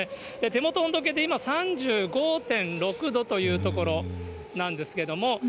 手元温度計で今、３５．６度というところなんですけれども。